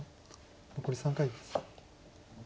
残り３回です。